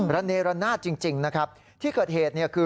ระเนรนาศจริงนะครับที่เกิดเหตุเนี่ยคือ